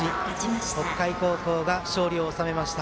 北海高校が勝利を収めました。